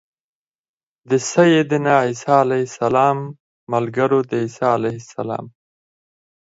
د سيّدنا عيسی عليه السلام ملګرو د عيسی علیه السلام